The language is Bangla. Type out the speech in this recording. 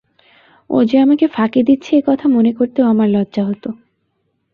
ও যে আমাকে ফাঁকি দিচ্ছে এ কথা মনে করতেও আমার লজ্জা হত।